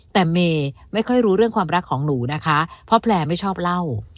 แต่เมย์ไม่ค่อยรู้เรื่องความรักของหนูนะคะเพราะแพลร์ไม่ชอบเล่า